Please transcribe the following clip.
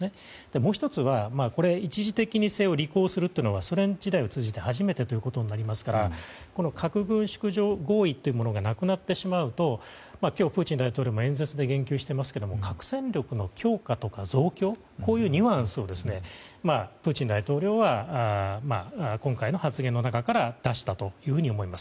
もう１つは、一時的にせよ履行するというのはソ連時代を通じて初めてということになりますから核軍縮合意がなくなってしまうと今日、プーチン大統領も演説で言及していますが核戦力の強化とか増強というニュアンスをプーチン大統領は今回の発言の中で出したと思います。